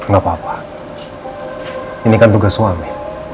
gak apa apa ini kan tugas suami